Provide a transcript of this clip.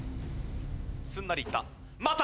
すんなりいった。